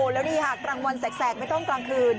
แล้วนี่ค่ะกลางวันแสกไม่ต้องกลางคืน